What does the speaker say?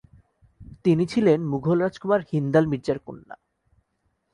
তিনি ছিলেন মুঘল রাজকুমার হিন্দাল মির্জার কন্যা।